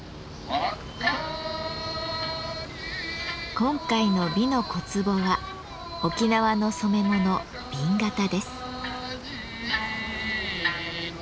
今回の「美の小壺」は沖縄の染め物「紅型」です。